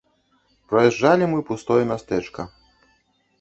Праязджалі мы пустое мястэчка.